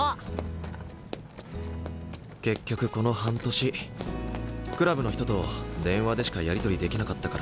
結局この半年クラブの人と電話でしかやり取りできなかったからな。